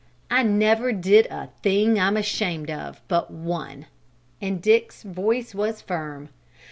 "I never did a thing I'm ashamed of but one," and Dick's voice was firm.